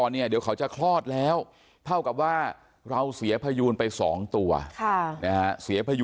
เนี่ยเขาเสียพยูนไปสองตัวนะครับ